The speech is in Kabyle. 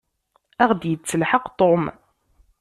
Ad aɣ-d-yettelḥaq Tom.